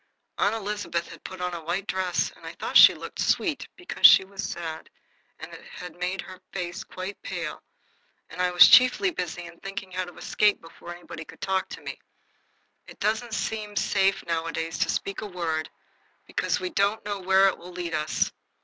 Aunt Elizabeth had put on a white dress, and I thought she looked sweet, because she was sad and had made her face quite pale; but I was chiefly busy in thinking how to escape before anybody could talk to me. It doesn't seem safe nowadays to speak a word, because we don't know where it will lead us.